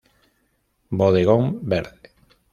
Bodegón Verde.